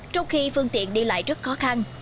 trong khi phương tiện đi lại rất khó khăn